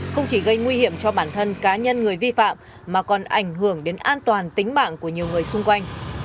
không chỉ gây nguy hiểm cho bản thân cá nhân người vi phạm mà còn ảnh hưởng đến an toàn tính mạng của nhiều người xung quanh